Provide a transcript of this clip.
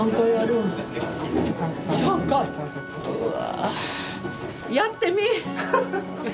うわ。